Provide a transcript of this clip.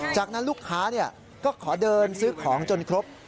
จากนั้นลูกค้าก็ขอเดินซื้อของจนครบ